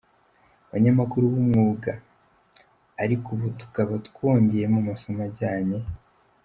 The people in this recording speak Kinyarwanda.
abanyamakuru b’umwuga,… ariko ubu tukaba twongeyemo amasomo ajyanye.